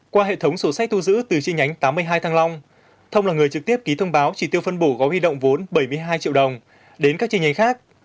qua hệ thống sổ sách thu giữ từ chi nhánh tám mươi hai thăng long thông là người trực tiếp ký thông báo chỉ tiêu phân bổ có huy động vốn bảy mươi hai triệu đồng đến các chi nhánh khác